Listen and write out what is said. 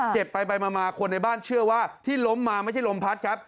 เจ็บไปมาคนในบ้านเชื่อว่าที่ล้มมาไม่ใช่ลมพัดครับ